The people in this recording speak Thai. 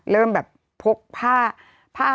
เริ่มแบบพกผ้าผ้า